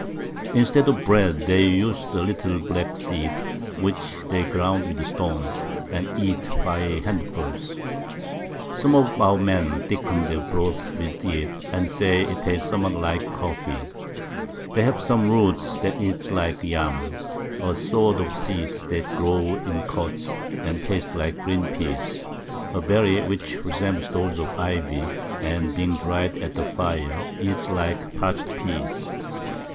[Sidenote: California Described.] Instead of Bread they us'd a little black Seed, which they ground with Stones, and eat it by Handfuls; some of our Men thicken'd their Broth with it, and say it tastes somewhat like Coffee. They have some Roots that eat like Yams, a sort of Seeds that grow in Cods, and taste like green Pease, a Berry which resembles those of Ivy, and being dry'd at the Fire, eats like parch'd Pease.